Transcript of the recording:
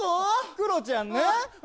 クロちゃんね。